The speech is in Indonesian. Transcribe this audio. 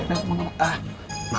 ya makasih pak